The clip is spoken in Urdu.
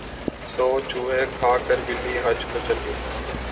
سو چوہے کھا کے بلی حج کو چلی